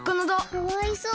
かわいそう。